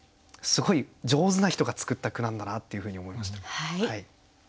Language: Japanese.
すごい上手な人が作った句なんだなっていうふうに思いました。